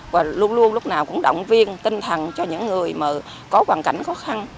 và luôn luôn lúc nào cũng động viên tinh thần cho những người mà có hoàn cảnh khó khăn